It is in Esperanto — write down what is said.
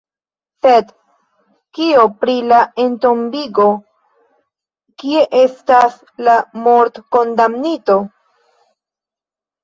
Sed kio pri la entombigo, kie estas la mortkondamnito?